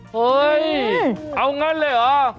เฮ้ยเอางั้นเลยเหรอ